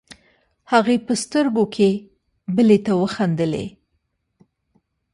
هغې په سترګو کې بلې ته وخندلې.